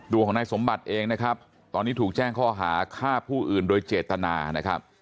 ตัวของนายสมบัติเองนะครับตอนนี้ถูกแจ้งข้อหาฆ่าผู้อื่นโดยเจตนานะครับ